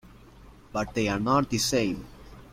But they are not the same.